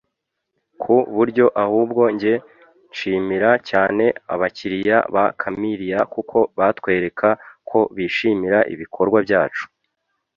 ku buryo ahubwo njye nshimira cyane abakiliya ba Camellia kuko batwereka ko bishimira ibikorwa byacu